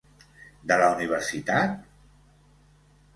De la universitat?